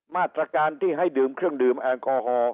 มาตรการที่ให้ดื่มเครื่องดื่มแอลกอฮอล์